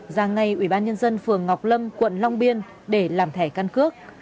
ra ngay ủy ban nhân dân phường ngọc lâm quận long biên để làm thẻ căn cước